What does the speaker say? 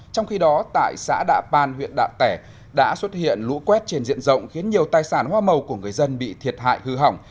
trong khi đó tại xã đạ pan huyện đạ tẻ đã xuất hiện lũ quét trên diện rộng khiến nhiều tài sản hoa màu của người dân bị thiệt hại hư hỏng